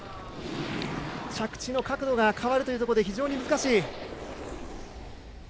着地の角度が変わるということで非常に難しい。